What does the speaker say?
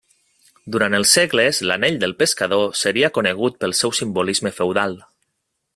Durant els segles, l'Anell del Pescador seria conegut pel seu simbolisme feudal.